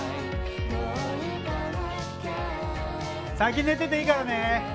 先寝てていいからね。